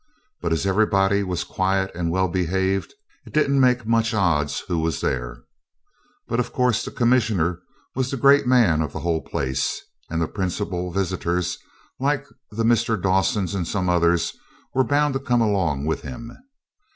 But as everybody was quiet and well behaved, it didn't make much odds who was there. But, of course, the Commissioner was the great man of the whole place, and the principal visitors, like the Mr. Dawsons and some others, were bound to come along with him.